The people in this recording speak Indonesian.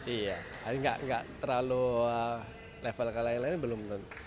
iya gak terlalu level ke lain lain belum